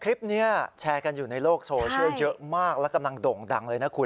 คลิปนี้แชร์กันอยู่ในโลกโซเชียลเยอะมากและกำลังโด่งดังเลยนะคุณ